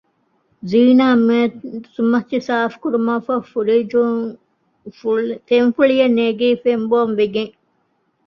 ޒީނާ މޭޒުމަތި ސާފުކުރުމަށްފަހު ފުރިޖުން ފެންފުޅިއެން ނެގީ ފެންބޯންވެގެން